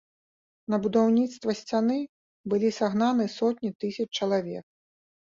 На будаўніцтва сцяны былі сагнаны сотні тысяч чалавек.